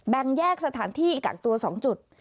แยกสถานที่กักตัว๒จุด